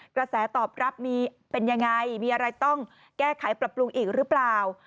กระแสตอบรับมีเป็นยังไงมีอะไรต้องแก้ไขปรับปรุงอีกหรือเปล่า